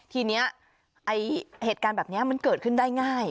ทีนี้เหตุการณ์แบบนี้มันเกิดขึ้นได้ง่าย